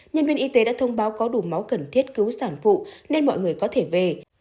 nhân viên y tế đã thông báo có đủ máu cần thiết cứu sản phụ nên mọi người có thể về